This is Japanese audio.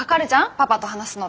パパと話すのって。